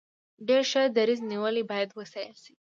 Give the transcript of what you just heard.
ډیر ښه دریځ نیولی باید وستایل شي.